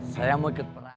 saya mau ikut perang